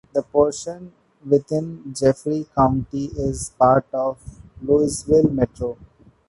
The portion within Jefferson County is part of Louisville Metro.